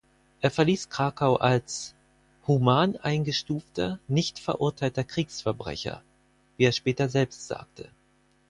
Er verließ Krakau als „human eingestufter, nicht verurteilter Kriegsverbrecher“, wie er später selbst sagte.